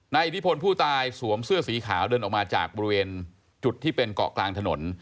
อิทธิพลผู้ตายสวมเสื้อสีขาวเดินออกมาจากบริเวณจุดที่เป็นเกาะกลางถนน